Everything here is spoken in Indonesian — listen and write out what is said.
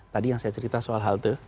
tadi yang saya cerita soal hal itu